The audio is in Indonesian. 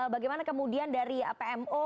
bagaimana kemudian dari pmo